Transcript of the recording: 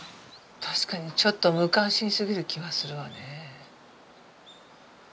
確かにちょっと無関心すぎる気はするわね。